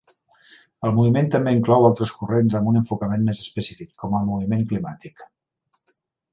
El moviment també inclou altres corrents amb un enfocament més específic, com el moviment climàtic.